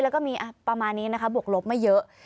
แล้วก็มีประมาณนี้นะคะบวกลบไม่เยอะ